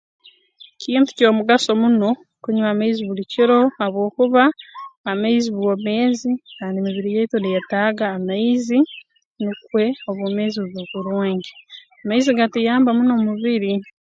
Kintu ky'omugaso muno kunywa amaizi buli kiro habwokuba amaizi bwomeezi kandi emibiri yaitu neeyetaaga amaizi nukwe obwemeezi bube burungi amaizi gatuyamba muno mu mubiri